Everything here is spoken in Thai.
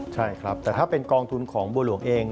ใช่ครับแต่ถ้าเป็นกองทุนของบัวหลวงเอง